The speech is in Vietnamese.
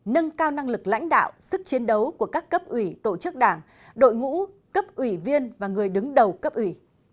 nâng cao năng lực lãnh đạo sức chiến đấu của các cấp ủy tổ chức đảng đội ngũ cấp ủy viên và người đứng đầu cấp ủy